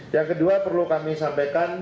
yang kedua perlu kami sampaikan